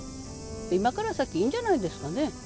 今から先、いいんじゃないですかね。